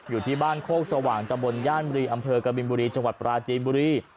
อยู่ที่บ้านโคกสว่างตะบนย่านบุรีอำเภอกบินบุรีจังหวัดปราจีนบุรี